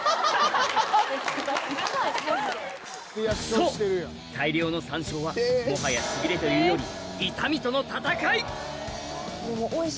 そう大量の山椒はもはやしびれというより私も。